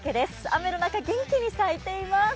雨の中、元気に咲いています。